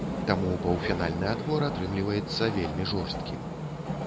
Таму паўфінальны адбор атрымліваецца вельмі жорсткім.